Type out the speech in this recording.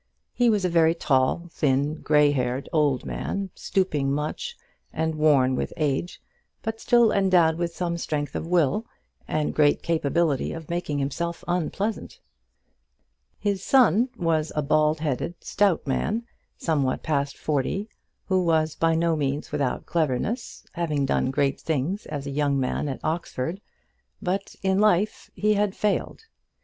He was a very tall, thin, gray haired, old man, stooping much, and worn with age, but still endowed with some strength of will, and great capability of making himself unpleasant. His son was a bald headed, stout man, somewhat past forty, who was by no means without cleverness, having done great things as a young man at Oxford; but in life he had failed.